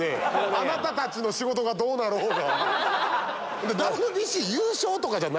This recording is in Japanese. あなたたちの仕事がどうなろうが。